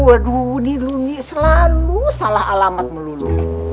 aduh ini selalu salah alamat melulu